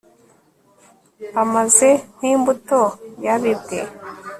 amaze nk'imbuto yabibwe